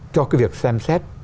cho cái việc xem xét